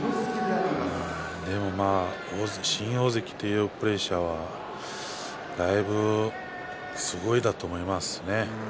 でも新大関というプレッシャーはだいぶすごいと思います。